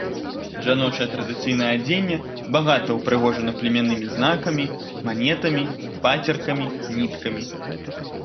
Жаночае традыцыйнае адзенне багата ўпрыгожана племяннымі знакамі, манетамі, пацеркамі, ніткамі.